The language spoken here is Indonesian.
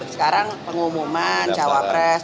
sekarang pengumuman cawapres